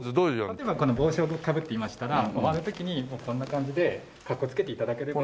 例えば帽子をかぶっていましたら終わる時にこんな感じでかっこつけて頂ければ。